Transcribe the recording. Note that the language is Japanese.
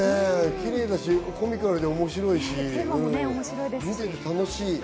キレイだし、コミカルで面白いし、見ていて楽しい。